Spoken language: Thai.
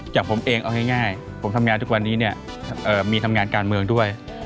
อย่างผมเองเอาง่ายผมทำงานทุกวันนี้เนี่ยมีทำงานการเมืองด้วย